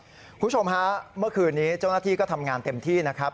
คุณผู้ชมฮะเมื่อคืนนี้เจ้าหน้าที่ก็ทำงานเต็มที่นะครับ